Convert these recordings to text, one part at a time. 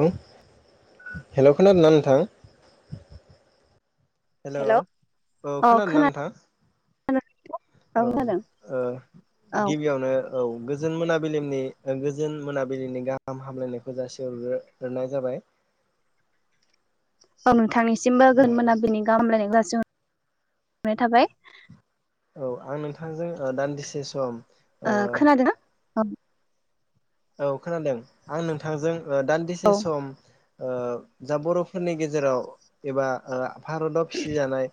हेल हेल 'खोनादों ना नोंथां हेलौ हेलौ औ अ खोनादोंना खोनादों नोंथां औ औ गिबियावनो औ गोजोन मोनाबिलिनि गोजोन मोनाबिलिनि गाहाम हामलायनायखौ जासिहरग्रोनाय जाबाय [inaudible] औ नोंथांनिसिमबो ओ गोजोन मोनाबिलिनि बेनि गाहामलायनायखौ जासिहरग्रोनाय थाबाय औ आं नोंथांजों दान्दिसे सम ओ आ खोनादोंना औ खोनादों आं नोंथांजों औ दान्दिसे सम जा बर'फोरनि गेजेराव एबा भारताव फिसिजानाय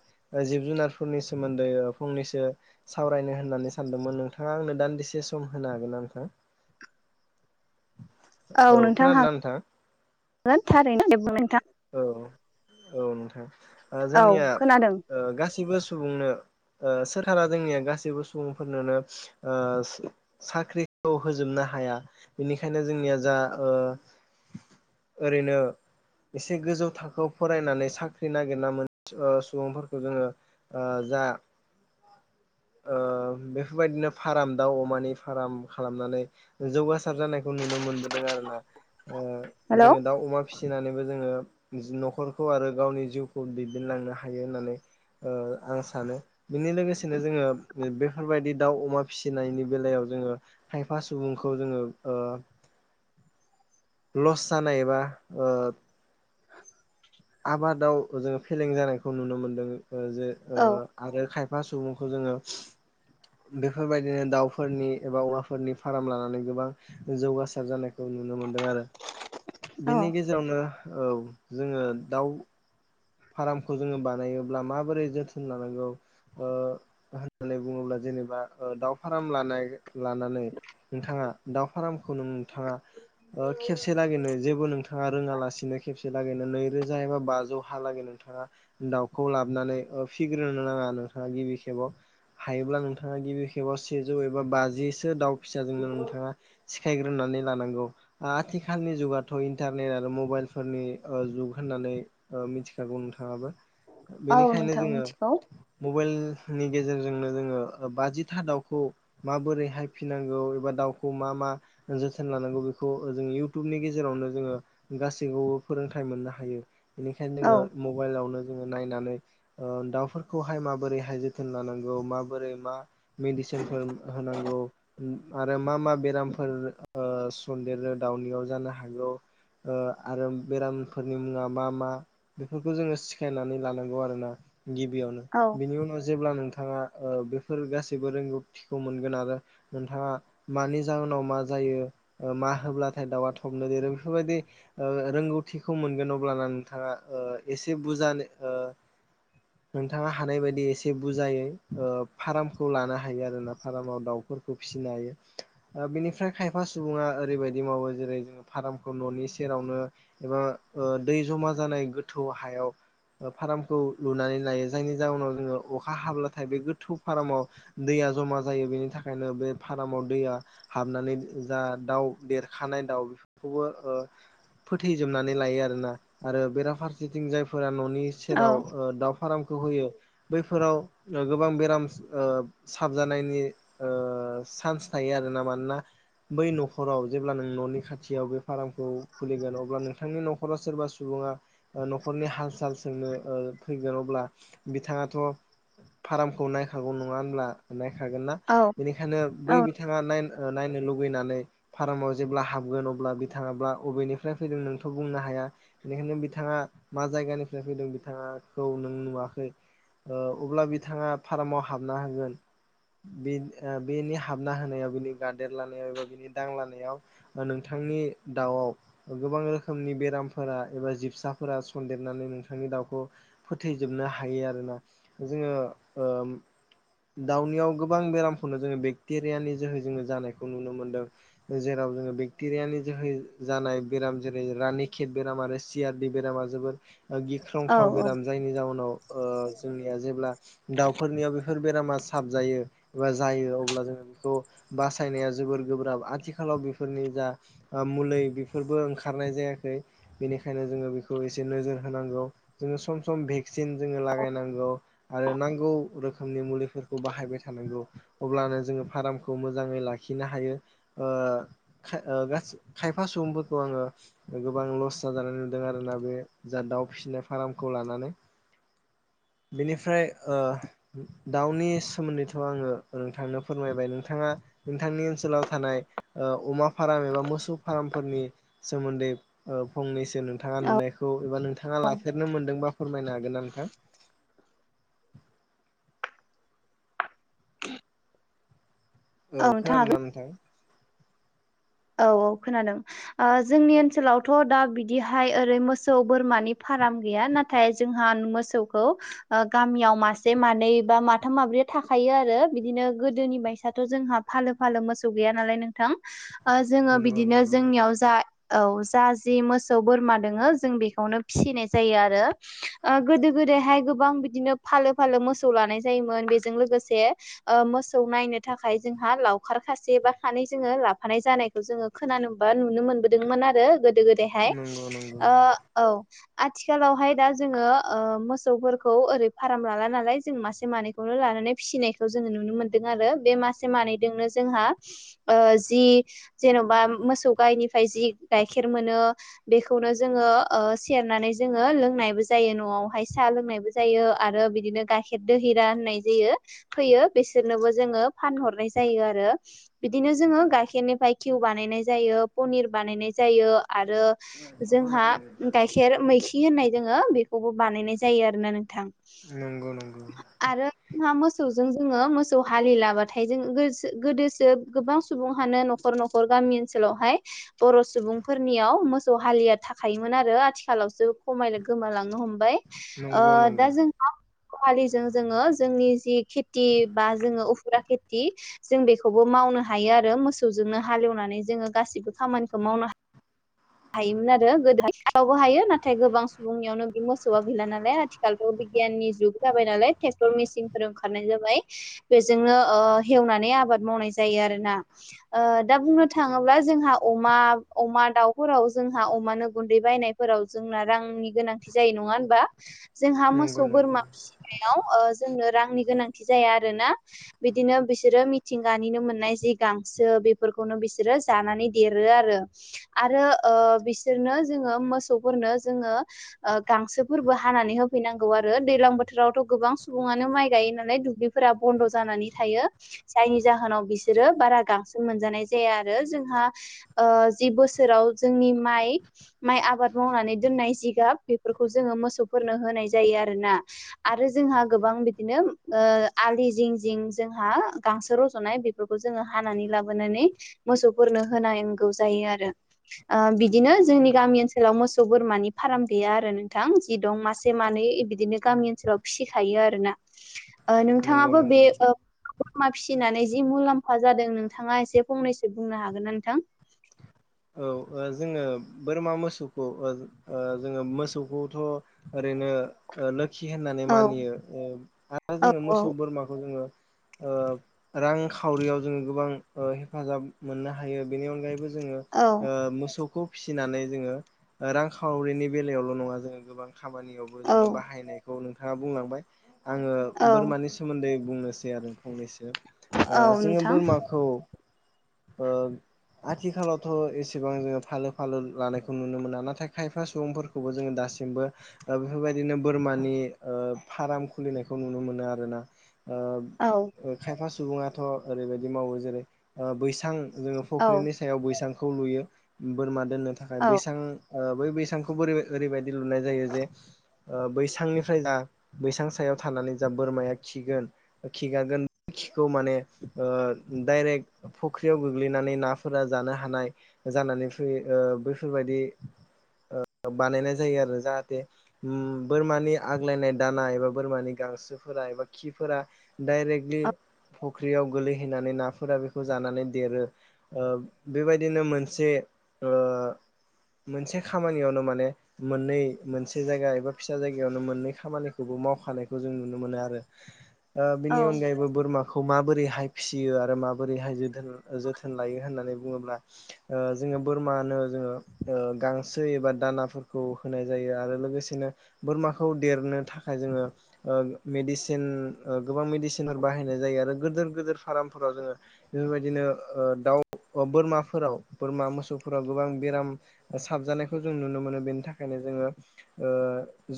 जिब जुनारफोरनि सोमोन्दै फंनैसो सावरायनो होननानै सानदोंमोन नोंथाङा आंनो दान्दिसे सम होनो हागोन आंखौ औ नोंथां हागोन हागोन थारैनो नोंथां औ औ नोंथां औ जोंनिया खोनादों ओ गासिबो सुबुंनो ओ सोरखारा जोंनिया गासैबो सुबुंफोरनोनो ओ साख्रि खौ होजोबनो हाया बेनिखायनो जोंनिया जा ओ ओरैनो एसे गोजौ थाखोयाव फरायनानै साख्रि नागिरना मोन सुबुंफोरखौ जोङो ओ जा [inaudible] ओ बेफोरबायदिनो फार्म दाउ अमानि फार्म खालामनानै जौगासार जानायखौ नुनो मोनबोदों आरोना हेलौ जोङो दाउ अमा फिसिनानैबो जोङो न'खरखौ आरो गावनि जिउखौ दैदेनलांनो हायो होननानै ओ आं सानो बिनि लोगोसेनो जोङो बेफोरबायदि दाउ अमा फिसिनायनि बेलायाव जोङो खायफा सुबुंखौ जोङो [inaudible] लस जानाय बा ओ आबादाव जोङो फेलें जानायखौ नुनो मोनदों जे ओ औ आरो खायफा सुबुंखौ जोङो बेफोरबायदिनो दाउफोरनि एबा औवाफोरनि फार्म लानानै गोबां जौगासार जानायखौ नु नुनो मोनदों आरो औ बेनि गेजेरावनो औ जोङो दाउ फारामखौ जोङो बानायोब्ला माबोरै जोथोन लानांगौ ओ होननानै बुङोब्ला जों जेनेबा दाव फाराम लानाय लानानै नोंथाङा दाउ फारमखौनो नोंथाङा ओ खेबसे लागैनो जेबो नोंथाङा रोङालासिनो खेबसे लागैनो नैरोजा एबा बाजौ हालागै नोंथाङा दाउखौ लाबानै फिग्रोनो नाङा नोंथाङा गिबि खेबाव हायोब्ला नोंथाङा गिबि खेबाव सेजौ एबा बाजिसो दाउ फिसाजोंनो नोंथाङा खेग्रोनानै लानांगौ आथिखालनि जुगाथ' इन्टारनेट आरो मबाइलफोरनि जुग होननानै ओ मिथिखागौ नोंथाङाबो औ बेनिखायनो नोंथां जोङो मिथिगौ मबाइल नि गेजेरजोंनो जोङो बाजिथा दाउखौ माबोरैहाय फिनांगौ एबा दाउखौ मा मा जोथोन लानांगौ बेखौ जों इउटुबनि गेजेरावनो जोङो गासैखौबो फोरोंथाइ मोननो हायो हायो बेनिखायनो औ जोङो मबाइलावनो जोङो नायनानै ओ दाउफोरखौहाय माबोरैहाय जोथोन लानांगौ माबोरै मा मेडिसिनफोर होनांगौ आरो मा मा बेरामफोर ओ सनदेरो दाउनियाव जानो हागौ आरो बेरामफोरनि मुङा मा मा बेफोरखौ जोङो सिखायनानै लानांगौ आरोना गिबियावनो औ बिनि उनाव जेब्ला नोंथां नोंथाङा बेफोर गाैबो रोंगौथिखौ मोनगोन आरो नोंथाङा म जाहोनाव मा जा यो ओ मा होब्लाथाय दाउआ थबनो देरो बेफोरबादि ओ रोंगथिखौ मोनगोन अब्लाना नोंथाङा एसे बुरजानो नोंथाङा हानाय बायदि एसे बुरजायै ओ फारामखौ लानो हायो आरोना फारामाव दाउ फिनो हायो बेनिफ्राय खायफा सुबुङा ओरैबायदि मावो जेरै ज फारामखौ न'नि सेरावनो एबा ओ दै ज'मा जानाय गोथौ हायाव फारामखौ लुनानै लायो जायनि जाहोनाव जोङो अखा हाब्लाथाय बे गोथौ फारामाव दै ज'मा जायो बेनि थाखायनो बे फारामाव दैया हाबनानै जा दाउ देरखानाय दाउ बेफोरखौबो ओ फोथैजोबनानै लायो आरो ना आरो बेराफारसेथिं जायफोरा न'नि औ सेराव ओ दाउ फारामखौ होयो बैफोराव ओ गोबां बेराम ओ साबजानायनि ओ ओ चान्स थायो आरोना मानोना बै न'खराव जेब्ला नों न'नि खाथियाव बे फारामखौ खुलिगोन अब्ला नोंथांनि न'खराव सोरबा सु बुङा न'खरनि हाल साल सोंनो फैगोन अब्ला बिथाङाथ' फारामखौ नायखागौ नङा होनब्ला नायखागोन ना औ बेनिखायनो औ बै बिथाङा नाय नायनो लुुबैनानै फारामाव जेब्ला हाबगोन अब्ला बिथाङाब्ला अबेनिफ्राय फैदों नोंथ' बुंनो हाया बेनिखायनो बिथाङा मा जायगानिफ्राय फैदों बिथाङाखौ नों नुवाखै अब्ला बिथाङा फार्माव हाबना होगोन बे बेनि हाबना होनायाव बिनि गादेर लानायाव एबा बिनि दां लानायाव नोंथां आंनि दाउ गोबां रोखोमनि बेराम फोर एबा जिबसाफोरा सन्देरनानै नोंथांनि दाउखौ फोथैजोबनो हायो आरोना जों जों दाउनियाव गोबां बेरामखौनो जोङो बेक्टेरियानि जोहै जोङो जानायखौ नुनो मोनदों जेराव यानि जो जानाय बेर जेरै र पकेट बेराम आरो सियारनि बेरामा जोोबोर औ गिख्रंथाव बेराम जायनि जाउनाव जोंनिया जेब्ला दाउफोरनियाव बेफोर बेरामा साबजायो एबा जायो अब्ला जोङो बेखौ बासायनाया जोबोर गोब्राब आथिखालाव बेफोरनि जा मुलि बेफोरबो ओंखार खारनाय जायाखै बेनिखायनो जोङो बेखौ एसे नोजोर होनांगौ जोङो सम सम भेक्सिन जोङो लागायनांगौ आरो नांगौ रोखोमनि मुलिफोरखौ बाहायबाय थानांगौ अब्लानो जोङो फार्मखौ मोजाङै ला लाखिनो हायो ओ खायफा सुबुंफोरखौ आंडो गोबां लस जाजानाय नुदों आरोना बे जा दाउ फिसिनाय फार्मखौ लानानै बेनिफ्राय दाउनि सोमोन्दैथ' आङो नोंथांनो फोरमायबाय नोंथाङा नोंथांनि ओनसोलाव थानाय अमा फार्म एबा मोसौ फार्मफोरनि सोमोन्दै फंनैसो नोंथाङा औ नुनायखौ एबा नोंथाङा लाफेरनो मोनदोंबा फोरमायनो हागोन ना नोंथां औ खोनादों ना नोंथां औ औ खोनादों जोंनि ओनसोलावथ' दा बिदिहाय ओरै मोसौ बोरमानि फाराम गैया नाथाय जोंहा मोसौखौ गामियाव मासे मानै बा माथाम माब्रै थाखायो आरो बिदिनो गोदोनि बायसाथ' जोंहा फालो फालो मोसौ गैया नालाय नोंथां जोङो नंगौ बिदिनो नंगौ जोंनियाव जा औ जा जि मोसौ बोरमा दोङो जों बेखौनो फिसिनाय जायो आरो गोदो गोदाय हाय गोबां बिदिनो फालो फालो मोसौ लानाय जायोमोन बेजों लोगोसे मोसौ नायनो थाखाय जोंहा लावखार सासे बा सानै जोङो लाब फानाय जानायखौ जोङो खोनोबा नुनो मोनबोदोंमोन आरो गोदो गोदायहाय नंगौ नंगौ औ आथिखालावहाय दा जोङो मोसौफोरखौ ओरै फार्म लाया नालाय जों मासे मानैखौनो ला फनाय ज ननो मोन आरो बे मासे मानैनो जोंहा जि जेन'बा मोसौ गायनिफ्राय जि गाइखेर मोनो बेखौनो जोङो सेरनानै जोङो लोंनायबो जायो न'आवहाय साहा लोंनायबो जायो आरो बिदिनो गाइखेर दोहिरा नाय ज फयो बिसोरनोबो जोङो फानहरनाय जायो आरो बिदिनो जोङो ग गाइखेरनिफ्राय खिउ बानायनाय जायो पनिर बानायनाय जायो आरो जोंहा गाइखेर मैखि होननाय जों बनाय जोन नोंथां नंगौ नंगौ आरो म ज जोो मोसौ हालिबथाय ज गोदोो गोबां सुबुं न'खर न'खर गामि ओनसोलावहाय बर' सुबुंफोरनियाव मोसौ हालिया थाखायोमोन आरो आथिखालावसो खमाय गोमालांनो हमबाय नंगौ दा नंगौ जोंहा फालिजों जोङो जोंनि जि खेथि बा जोङो उफुरा खेथि जों बेखौबो माव मावनो हायो आरो मोसौजोंनो हालेवनानै जोङो गासिबो खामानिखौ मावनो हायो हायोमोन आरो गोदोायावबो हायो नाथाय गोबां सुबुंनियावनो बे मोसौआ गैला नालाय आथिखालथ' नि ज जाबाय नालाय ट्रेक्टर मेसिनफोर ओंखारनाय जाबाय बेजोंनो हवनानै आब मावनाय जायो आरोोना दा बुंनो थाङोब्ला जोंहा अमा अमा दाउ नखराव जोंहा अमानो गुन्दै बायनायफोराव जोंना रांनि गोनांथि जायो नङा होनबा बा जोंहा नंगौ मोसौ बोरमा नंगौ फिसिनायाव जोंनो रांनि गोनांथि जाया आरोना बिदिनो बिसोरो मिथिंगानिनो मोननाय जि गांसो बेफोरखौ बेखौनो बिसोरो जानानै देरो आरो आरो ओ बिसोरनो जोङो मोसौफोरनो जोङो ओ गांसोफोरबो हानानै फैनांगौ आरो दैज्लां बोथोरावथ' गोबां सुबुङानो माइ गायो नालाय दुब्लिफोरा बन्द' जानानै थायो जायनि जाहोनाव बिसोरो बारा गांसो मोनजानाय जाया आरो जोंहा ओ जि बोसो राव जोंनि माइ माइ आबाद मावनानै दोननाय जिगाब बेफोरखौ जोङो मोसौफोरनो होनाय जायो आरोना आरो जोंहा गोबां बिदिनो आलि जिं जिं जोंहा गांसो रज'नाय बेफोरखौ जोङो हानानै लाबोनानै मोसौफोरनो होनांगौ जायो आरो ओ बिदिनो जोंनि गामि ओनसोलाव मोसौ बोरमानि फार्म गैया आरो नोंथां जि दं मासे मा नै बिदिनो गामि ओनसोलाव फिसिखायो आरोना ओ नंगौ नोंथाङाबो बे नंगौ ओ बोरमा फिसिनानै जि मुलाम्फा जादों नोंथाङा एसे फंनैसो बुंनो हागोन ना नोंथां ओ ओ जोङो बोरमा मोसौखौ ओद ओ जोङो मोसौखौथ' ओरैनो ओ लोखि होननानै औ मानियो ओ आरो औ जोङो औ मोसौ बोरमाखौ जोङो ओ रांखावरियाव जोङो गोबां ओ हेफाजाब मोननो हायो बेनि अनगायैबो जोङो औ ओ मोसौखौ फिसिनानै जोङो रांखावरिनि बेलायावल' नङा जोङो गोबां खामानियावबो औ जोङो बाहायनायखौ नोंथाङा बुंलांबाय आङो औ बोरमानि सोमोन्दै बुंनोसै आरो फंनैसो ओ औ जोङो नोंथां बोरमाखौ ओ आथिखालाव थ' एसेबां जोङो फालो फालो लानायखौ नुनो मोना नाथाय खायफा सुबुंफोरखौबो जोङो दासिमबो ओ बेफोरबायदिनो बोरमानि ओ फार्म खुलिनायखौ नुनो मोनो आरो ना ओ औ खायफा सुबुङाथ' ओरैबायदि मावो जेरै ओ बैसां जोङो औ फुख्रिनि सायाव बैसांखौ लुयो बोरमा दोननो थाखाय औ बैसां ओ बै बैसांखौबो बोरै ओरैबायदि लुनाय जायो जे ओ बैसांनिफ्राय जा बैसां सायाव थानानै जा बोरमाया खिगोन खिगागोन खिखौ माने ओ डाइरेक्ट फुख्रियाव गोग्लैनानै नाफोरा जानो हानाय जानानै फैयो ओ बैफोरबायदि बानायनाय जायो आरो जाहाथे ओम बोरमानि आग्लायनाय दाना एबा बोरमानि गांसो फोरा एबा खिफोरआ डाइरेक्टलि फख्रियाव गोलैैहैनानै ना फोरा बेखौ जानानै देरो बेबायदिनो मोनसे ओ मोनसे खामानियावनो माने मोननै मोनसे से जायगा एबा फिसा जायगायावनो मोननै खामानिखौबो मावखानायखौ जों नुनो मोनो आरो बिनि अनगा यैबो बोरमाखौ माबोरैहाय फिसियो आरो माबोरैहायो जोथोन जोथोन लायो होननानै बुङोब्ला ओ जोङो बोरमानो जोङो ओ गां सो एबा दानाफोरखौ होनाय जायो आरो लोगोसेनो बोरमाखौ देरनो थाखाय जोङो ओ मेडिसिन ओ गोबां मेडिसिनफोर बाहायनाय जायो आरो गिदोर गिदोर फार्मफोराव जोङो बेबादिनो ओ दाव अ बोरमाफोराव बोरमा मोसौफोराव गोबां बेराम थाबजानायखौ जों नुनो मोनो बेनि थाखा यनो जोङो ओ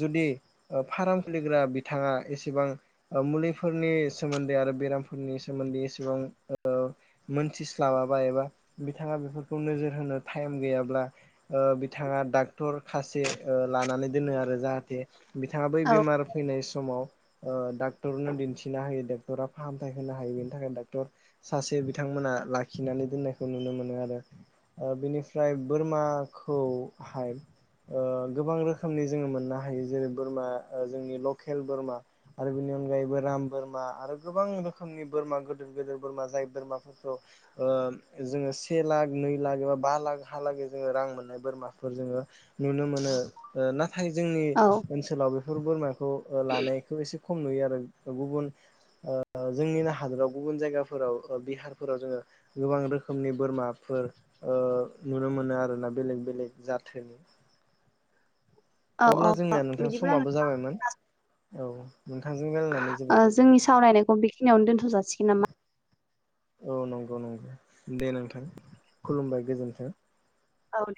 जुदि फार्म खुलिग्रा बिथाङा एसेबां मुलिफोरनि सोमोन्दै आरो बेरामफोरनि सोमोन्दै एसेबां ओ मोनथिस्लाबाबा एबा बिथाङा बेफोरखौ नोजोर होनो टाइम गैयाब्ला ओ बिथाङा डाक्टर खासे ओ लानानै दोनो आरो जाहाथे बिथाङा बै बेमार फैनाय समाव ओ डाक्टरनो दिन्थिना हायो डक्टरा फाहामथाय होनो हायो बेनि थाखाय डक्टर सासे बिथांमोना लाखिनानै दोननायखौ नुनो मोनो आरो ओ बेनिफ्राय बोरमा खौहाय ओ गोबां रोखोमनि जोङो मोननो हायो जेरै बोरमा जोंनि लकेल बोरमा आरो बिनि अनगायैबो राम बोरमा आरो गोबां रोखोमनि बोरमा गिदिर गिदिर बोरमा जाय बोरमाफोरखौ ओ जोङो से लाख नै लाख एबा बा लाख हालागै जोङो रां मोन बोरमाफोर जोङो नुनो मोनो ओ ना थाय जोंनि औ ओनसोलाव बेफोर बोरमाखौ लानायखौ एसे खम नुयो आरो गुबुन ओ जोंनिनो हादोराव गुबुन जायगाफोराव बिहारफोराव जोङो गोबां रोखोमनि बोरमाफोर नुनो मोनो आरोना बेलेग बेलेग जाथोनि औ अब्ला जोंनिया नोंथां बिदिब्ला समाबो जाबायमोन औ नोंथांजों गेलनानै जोबोर गोजोननाय मोनबाय सिनियावनो दोनथ' जासिगोन नामा औ नंगौ नंगौ दे नोंथां खुलुमबाय गोजोन्थों औ द